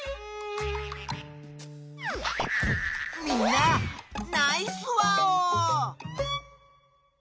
みんなナイスワオー！